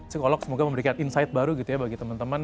psikolog semoga memberikan insight baru gitu ya bagi teman teman